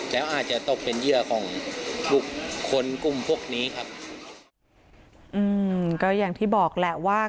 แล้วอาจจะตกเป็นเหยื่อของบุคคลกลุ่มพวกนี้ครับอืมก็อย่างที่บอกแหละว่า